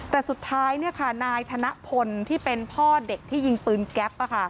แต่สุดท้ายนายธนพลที่เป็นพ่อเด็กที่ยิงปืนแก๊ป